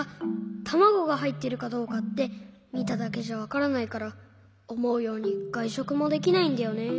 たまごがはいってるかどうかってみただけじゃわからないからおもうようにがいしょくもできないんだよね。